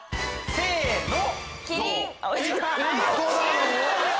せの！